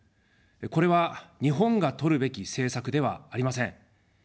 これは日本がとるべき政策ではありません。